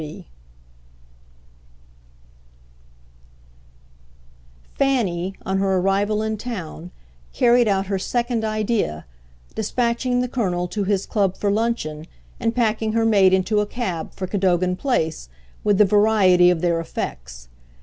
XXIII Fanny, on her arrival in town, carried out her second idea, despatching the Colonel to his club for luncheon and packing her maid into a cab, for Cadogan Place, with the variety of their effects.